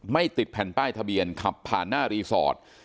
ติดแผ่นป้ายทะเบียนขับผ่านหน้ารีสอร์ท